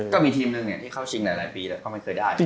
ก็มีทีมนึงเนี่ยที่เข้าชิงหลายปีแล้วเขาไม่เคยได้